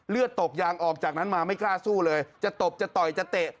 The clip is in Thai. เลือดตกยางออกจากนั้นมาไม่กล้าสู้เลยจะตบจะต่อยจะเตะ